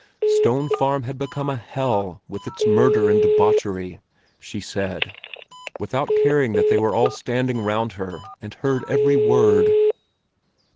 Stone Farm had become a hell with its murder and debauchery! she said, without caring that they were all standing round her and heard every word.